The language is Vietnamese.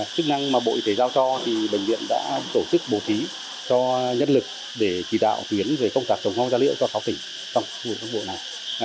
chức năng mà bộ y tế giao so thì bệnh viện đã tổ chức bổ trí cho nhất lực để chỉ đạo tuyến về công tác phòng ngừa gia liễu cho sáu tỉnh trong khu vực này